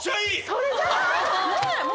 それじゃない？